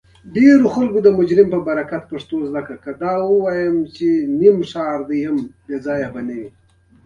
جلګه د افغانستان د ځانګړي ډول جغرافیه استازیتوب کوي.